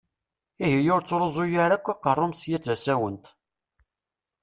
Ihi ur ttṛuẓu ara akk aqeṛṛu-m sya d tasawent!